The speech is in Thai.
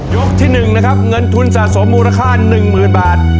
ยกที่หนึ่งนะครับเงินทุนสะสมมูลค่าหนึ่งหมื่นบาท